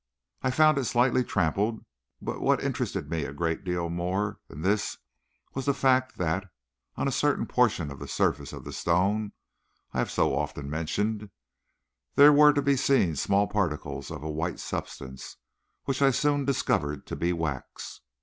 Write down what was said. I found it slightly trampled, but what interested me a great deal more than this was the fact that, on a certain portion of the surface of the stone I have so often mentioned, there were to be seen small particles of a white substance, which I soon discovered to be wax.